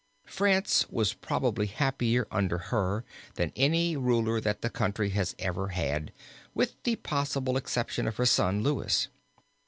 France was probably happier under her than under any ruler that the country has ever had with the possible exception of her son Louis.